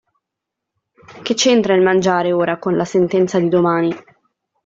Che c'entra il mangiare, ora, con la sentenza di domani?